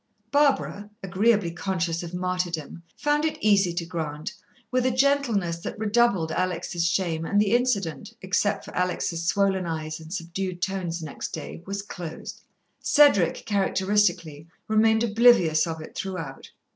Barbara, agreeably conscious of martyrdom, found it easy to grant, with a gentleness that redoubled Alex' shame, and the incident, except for Alex' swollen eyes and subdued tones next day, was closed. Cedric, characteristically, remained oblivious of it throughout.